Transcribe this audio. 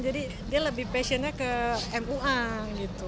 jadi dia lebih passionnya ke mua gitu